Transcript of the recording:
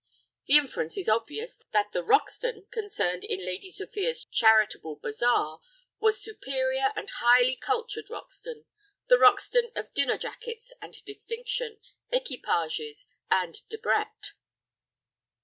The inference is obvious that the "Roxton" concerned in Lady Sophia's charitable bazaar, was superior and highly cultured Roxton, the Roxton of dinner jackets and distinction, equipages, and Debrett.